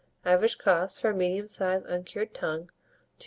Average cost, for a medium sized uncured tongue, 2s.